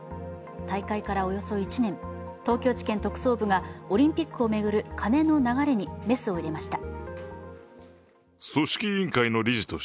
大会からおよそ１年、東京地検特捜部がオリンピックを巡るカネの流れにメスを入れました。